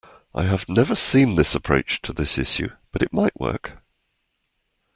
I have never seen this approach to this issue, but it might work.